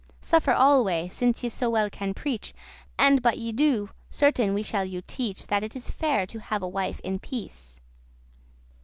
Suffer alway, since ye so well can preach, And but* ye do, certain we shall you teach* *unless That it is fair to have a wife in peace.